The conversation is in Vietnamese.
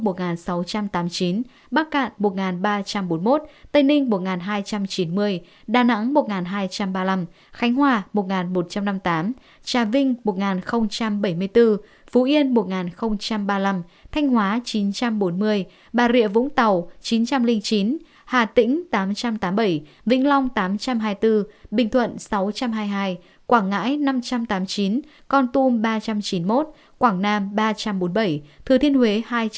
bắc cạn một ba trăm bốn mươi một tây ninh một hai trăm chín mươi đà nẵng một hai trăm ba mươi năm khánh hòa một một trăm năm mươi tám trà vinh một bảy mươi bốn phú yên một ba mươi năm thanh hóa chín trăm bốn mươi bà rịa vũng tàu chín trăm linh chín hà tĩnh tám trăm tám mươi bảy vĩnh long tám trăm hai mươi bốn bình thuận sáu trăm hai mươi hai quảng ngãi năm trăm tám mươi chín con tum ba trăm chín mươi một quảng nam ba trăm bốn mươi bảy thừa thiên huế hai trăm chín mươi một